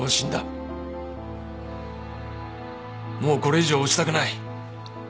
もうこれ以上堕ちたくない